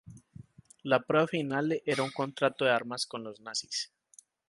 La prueba final era un contrato de armas con los nazis.